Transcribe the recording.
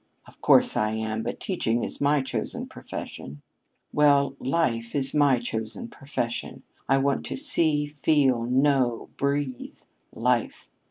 "Of course I am. But teaching is my chosen profession." "Well, life is my chosen profession. I want to see, feel, know, breathe, Life.